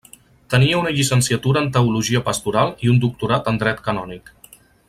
Tenia una llicenciatura en teologia pastoral i un doctorat en dret canònic.